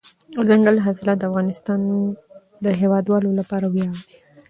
دځنګل حاصلات د افغانستان د هیوادوالو لپاره ویاړ دی.